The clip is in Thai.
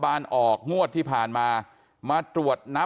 ความปลอดภัยของนายอภิรักษ์และครอบครัวด้วยซ้ำ